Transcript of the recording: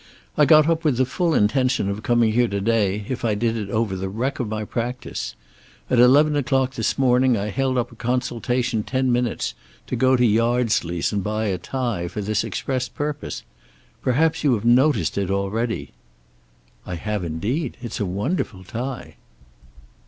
"I got up with the full intention of coming here to day, if I did it over the wreck of my practice. At eleven o'clock this morning I held up a consultation ten minutes to go to Yardsleys and buy a tie, for this express purpose. Perhaps you have noticed it already." "I have indeed. It's a wonderful tie."